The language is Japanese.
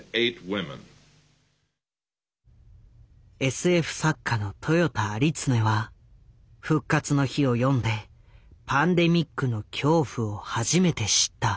ＳＦ作家の豊田有恒は「復活の日」を読んでパンデミックの恐怖を初めて知った。